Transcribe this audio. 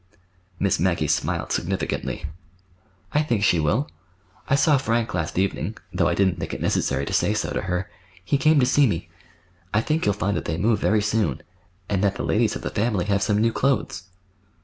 Miss Maggie smiled significantly. "I think she will. I saw Frank last evening—though I didn't think it necessary to say so to her. He came to see me. I think you'll find that they move very soon, and that the ladies of the family have some new clothes."